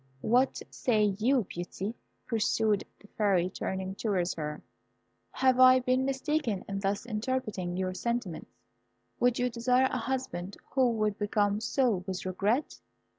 What say you, Beauty?" pursued the Fairy, turning towards her; "have I been mistaken in thus interpreting your sentiments? Would you desire a husband who would become so with regret?"